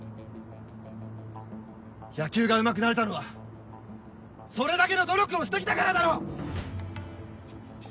野球がうまくなれたのはそれだけの努力をしてきたからだろ！